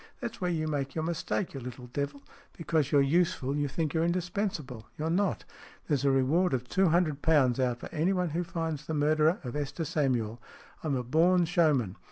" That's where you make your mistake, you little devil ! Because you're useful, you think you're indispensable. You're not. There's a reward of two hundred pounds out for anyone who finds the murderer of Esther Samuel. I'm a born showman.